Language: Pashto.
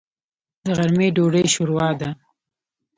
د غرمې ډوډۍ شوروا ده.